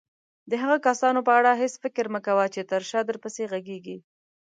د هغه کسانو په اړه هيڅ فکر مه کوه چې تر شاه درپسې غږيږي.